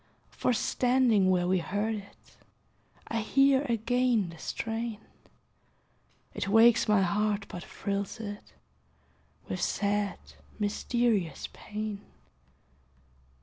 For standing where we heard it, I hear again the strain; It wakes my heart, but thrills it With sad, mysterious pain.